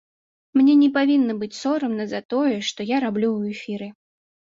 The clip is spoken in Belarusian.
Мне не павінна быць сорамна за тое, што я раблю ў эфіры.